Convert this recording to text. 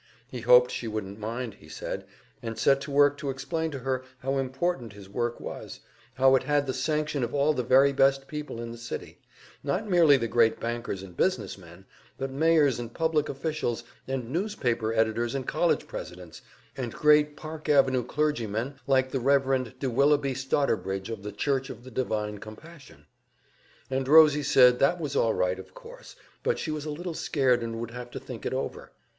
He hoped she wouldn't mind, he said, and set to work to explain to her how important his work was, how it had the sanction of all the very best people in the city not merely the great bankers and business men, but mayors and public officials and newspaper editors and college presidents, and great Park Avenue clergymen like the Rev. de Willoughby Stotterbridge of the Church of the Divine Compassion. And Rosie said that was all right, of course, but she was a little scared and would have to think it over.